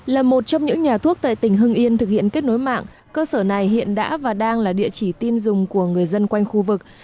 là một trong những nhà thuốc tại tỉnh hưng yên thực hiện kết nối mạng cơ sở này hiện đã và đang là địa chỉ tin dùng của người dân quanh khu vực